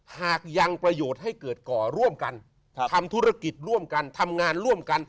หากยังประโยชน์ให้เกิดก่อร่วมกันทำธุรกิจร่วมกันทำงานร่วมกัน